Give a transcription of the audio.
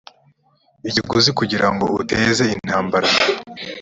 ikiguzi kugira ngo uteze intambara